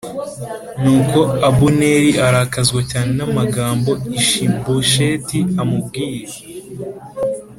Nuko Abuneri arakazwa cyane n’amagambo Ishibosheti amubwiye